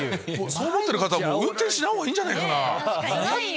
そう思ってる方は運転しない方がいいんじゃないかな。